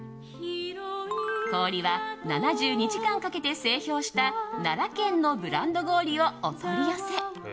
氷は７２時間かけて製氷した奈良県のブランド氷をお取り寄せ。